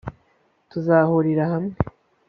tuzahurira hamwe